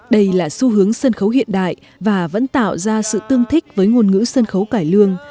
đây là xu hướng sân khấu hiện đại và vẫn tạo ra sự tương thích với ngôn ngữ sân khấu cải lương